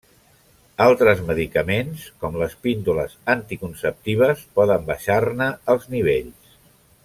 Altres medicaments, com les píndoles anticonceptives, poden baixar-ne els nivells.